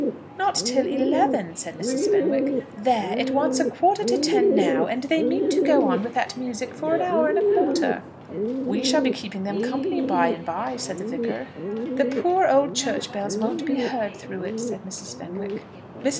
"Not till eleven," said Mrs. Fenwick. "There, it wants a quarter to ten now, and they mean to go on with that music for an hour and a quarter." "We shall be keeping them company by and by," said the Vicar. "The poor old church bells won't be heard through it," said Mrs. Fenwick. Mrs.